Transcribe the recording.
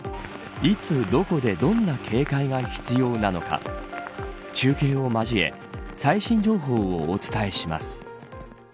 いつ、どこでどんな警戒が必要なのか中継を交え最新情報をお伝えします。